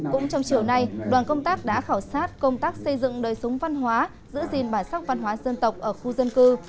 cũng trong chiều nay đoàn công tác đã khảo sát công tác xây dựng đời sống văn hóa giữ gìn bản sắc văn hóa dân tộc ở khu dân cư